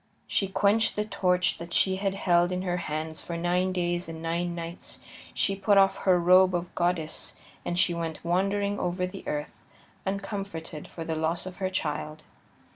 She quenched the torch that she had held in her hands for nine days and nine nights; she put off her robe of goddess, and she went wandering over the earth, uncomforted for the loss of her child.